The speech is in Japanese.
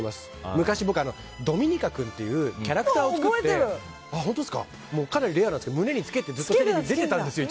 昔僕、ドミニカ君っていうキャラクターを作ってかなりレアなんですけど胸につけて出てたんですよ